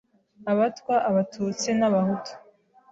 Abatwa, Abatutsi n’Abahutu